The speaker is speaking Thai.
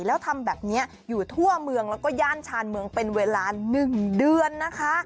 แล้วทำแบบนี้อยู่ทั่วเมืองแล้วก็ย่านชานเมืองเป็นเวลา๑เดือนนะคะ